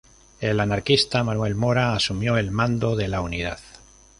El anarquista Manuel Mora asumió el mando de la unidad.